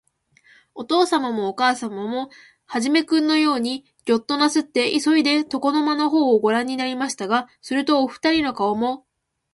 おとうさまもおかあさまも、始君のようすにギョッとなすって、いそいで、床の間のほうをごらんになりましたが、すると、おふたりの顔も、